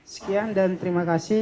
sekian dan terima kasih